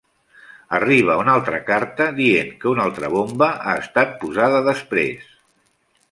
Arriba una altra carta dient que una altra bomba ha estat posada després.